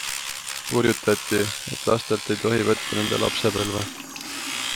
Hurjutati, et lastelt ei tohi võtta nende lapsepõlve.